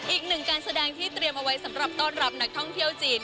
อีกหนึ่งการแสดงที่เตรียมเอาไว้สำหรับต้อนรับนักท่องเที่ยวจีน